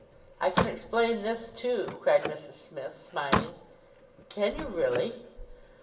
"I can explain this too," cried Mrs Smith, smiling. "Can you really?"